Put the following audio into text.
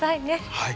はい。